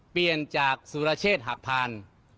เปลี่ยนจากสุรเชษฐ์หักพาน